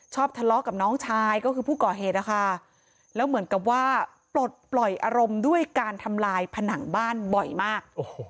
ทะเลาะกับน้องชายก็คือผู้ก่อเหตุนะคะแล้วเหมือนกับว่าปลดปล่อยอารมณ์ด้วยการทำลายผนังบ้านบ่อยมาก